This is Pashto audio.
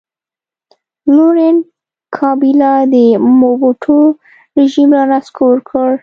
لورینټ کابیلا د موبوټو رژیم را نسکور کړ.